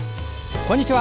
こんにちは。